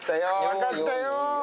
分かったよ。